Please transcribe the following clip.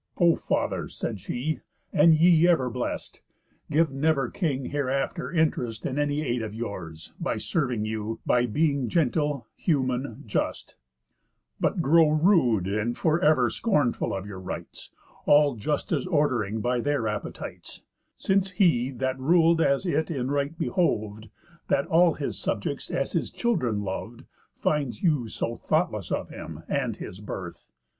"O Father," said she, "and ye Ever blest, Give never king hereafter interest In any aid of yours, by serving you, By being gentle, human, just, but grow Rude, and for ever scornful of your rights, All justice ord'ring by their appetites, Since he, that rul'd as it in right behov'd, That all his subjects as his children lov'd, Finds you so thoughtless of him and his birth.